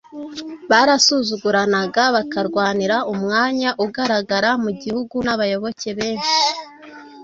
Barasuzuguranaga, bakarwanira umwanya ugaragara mu gihugu n'abayoboke benshi